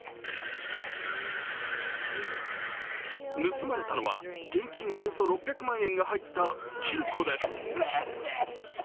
盗まれたのは現金およそ６００万円が入った金庫です。